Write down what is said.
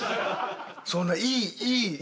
そんないいいい。